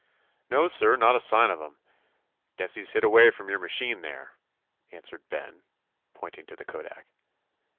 "No, sir, not a sign of him. Guess he 's hid away from your machine there," answered Ben, pointing to the kodak.